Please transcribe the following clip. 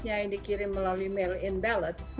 yang dikirim melalui mail in ballot